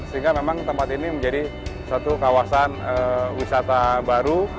sehingga memang tempat ini menjadi suatu kawasan wisata baru